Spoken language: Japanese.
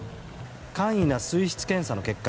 簡易な水質検査の結果